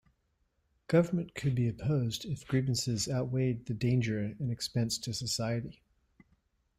Government could be opposed if grievances outweighed the danger and expense to society.